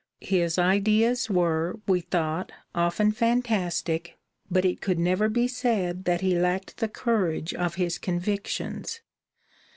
His ideas were, we thought, often fantastic, but it could never be said that he lacked the courage of his convictions.